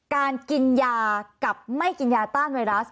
การกินยากับไม่กินยาต้านไวรัส